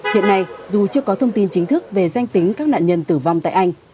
hiện nay dù chưa có thông tin chính thức về danh tính các nạn nhân tử vong tại anh